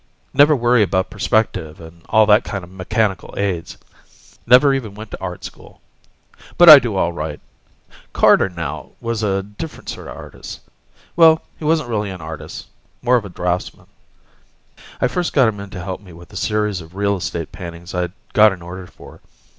Never worry about perspective and all that kinda mechanical aids. Never even went to Art School. But I do all right. Carter, now, was a different sorta artist. Well, he wasn't really an artist more of a draftsman. I first got him in to help me with a series of real estate paintings I'd got an order for.